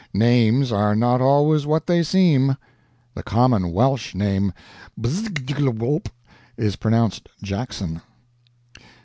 Names are not always what they seem. The common Welsh name Bzjxxllwep is pronounced Jackson.